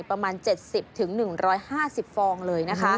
ประมาณ๗๐๑๕๐ฟองเลยนะคะ